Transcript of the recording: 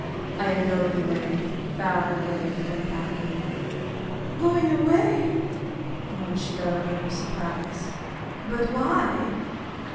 "I am going away — far away from Paris." " Going away I " And when she got over her surprise : "But why?